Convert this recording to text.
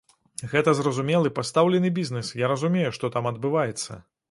Гэта зразумелы пастаўлены бізнес, я разумею, што там адбываецца.